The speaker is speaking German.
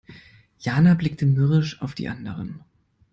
Jana blickte mürrisch auf die anderen.